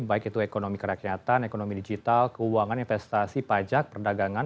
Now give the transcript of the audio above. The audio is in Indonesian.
baik itu ekonomi kerakyatan ekonomi digital keuangan investasi pajak perdagangan